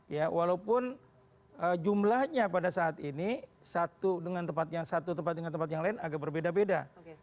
ya walaupun jumlahnya pada saat ini satu dengan tempat yang satu tempat dengan tempat yang lain agak berbeda beda